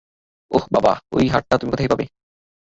ওহ, বাবা, ওই হাতটা তুমি কোথায় পাবে?